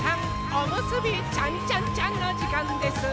おむすびちゃんちゃんちゃんのじかんです！